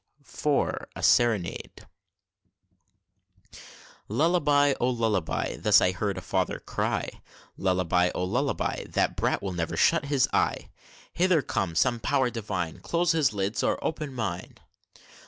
IV. A SERENADE. "Lullaby, oh, lullaby!" Thus I heard a father cry, "Lullaby, oh, lullaby!" The brat will never shut an eye; Hither come, some power divine! Close his lids, or open mine!